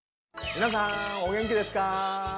皆さんお元気ですか？